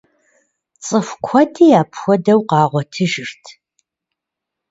Цӏыху куэди апхуэдэу къагъуэтыжырт.